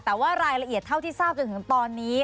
แต่ว่ารายละเอียดเท่าที่ทราบจนถึงตอนนี้